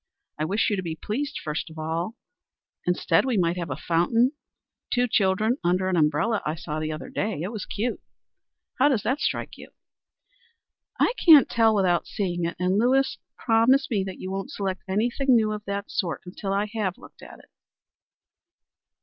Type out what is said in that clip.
I wish you to be pleased first of all. Instead we might have a fountain; two children under an umbrella I saw the other day. It was cute. How does that strike you?" "I can't tell without seeing it. And, Lewis, promise me that you won't select anything new of that sort until I have looked at it."